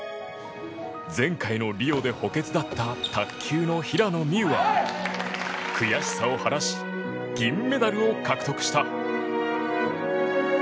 前回のリオで補欠だった卓球の平野美宇は悔しさを晴らし銀メダルを獲得した。